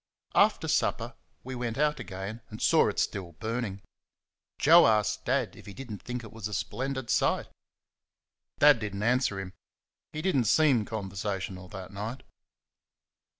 After supper we went out again and saw it still burning. Joe asked Dad if he did n't think it was a splendid sight? Dad did n't answer him he did n't seem conversational that night.